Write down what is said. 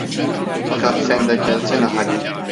Fakat sen de gelsene Halil…